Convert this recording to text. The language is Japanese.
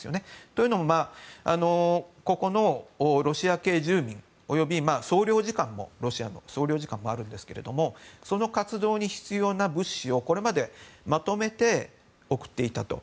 というのもここのロシア系住民及びロシアの総領事館があるんですがその活動に必要な物資をこれまでまとめて送っていたと。